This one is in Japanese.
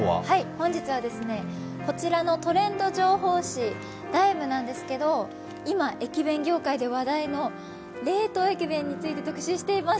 本日はこちらのトレンド情報誌「ＤＩＭＥ」なんですけど、今、駅弁業界で話題の冷凍駅弁について特集しています。